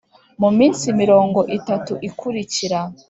mu minsi mirongo itatu ikurikira